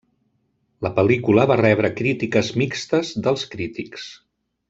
La pel·lícula va rebre crítiques mixtes dels crítics.